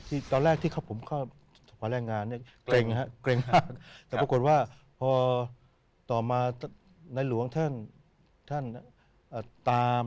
ตอนแรกที่เขาผมเข้าถวายแรงงานเกร็งมากแต่ปรากฏว่าต่อมานายหลวงท่านตาม